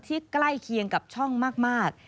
ใกล้เคียงกับช่องมาก